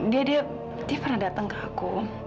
dia dia pernah datang ke aku